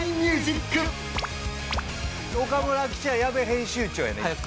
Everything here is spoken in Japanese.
岡村記者矢部編集長やねん。